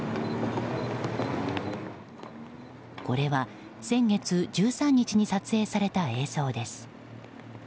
これは先月１３日に撮影された映像です。